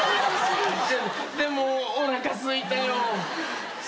でもおなかすいたよ。